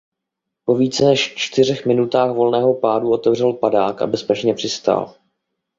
Po více než čtyřech minutách volného pádu otevřel padák a bezpečně přistál.